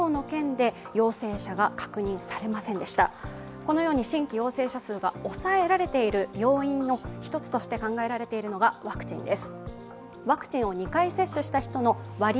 このように新規陽性者数が抑えられている要因の１つとして考えられているのがワクチンです。